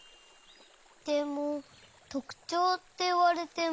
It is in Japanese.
でもとくちょうっていわれても。